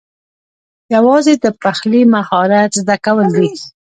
یوازې د پخلي مهارت زده کول دي